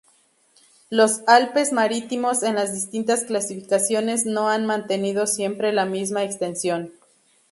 Los Alpes marítimos en las distintas clasificaciones no han mantenido siempre la misma extensión.